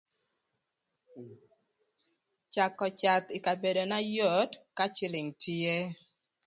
Cakö cath ï kabedona yot ka cïlïng tye